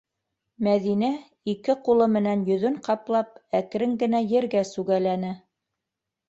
- Мәҙинә, ике ҡулы менән йөҙөн ҡаплап, әкрен генә ергә сүгәләне.